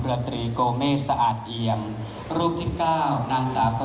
ถือว่าชีวิตที่ผ่านมายังมีความเสียหายแก่ตนและผู้อื่น